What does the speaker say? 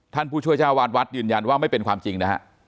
ผู้ช่วยเจ้าวาดวัดยืนยันว่าไม่เป็นความจริงนะฮะ